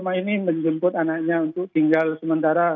baik juno dan saudara